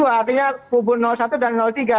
artinya kubu satu dan tiga